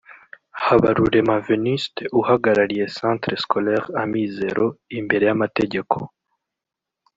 Habarurema Venuste uhagarariye Centre Scolaire Amizero imbere y’amategeko